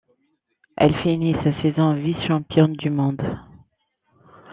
Elle finit sa saison vice-championne du monde.